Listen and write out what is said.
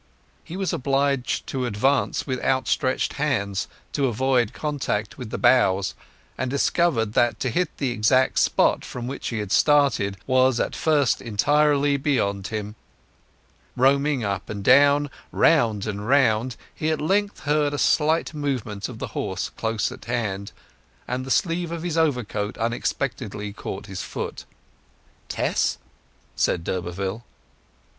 He was obliged to advance with outstretched hands to avoid contact with the boughs, and discovered that to hit the exact spot from which he had started was at first entirely beyond him. Roaming up and down, round and round, he at length heard a slight movement of the horse close at hand; and the sleeve of his overcoat unexpectedly caught his foot. "Tess!" said d'Urberville.